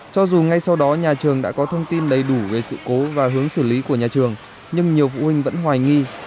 cho dù ngay sau đó nhà trường đã có thông tin đầy đủ về sự cố và hướng xử lý của nhà trường nhưng nhiều phụ huynh vẫn hoài nghi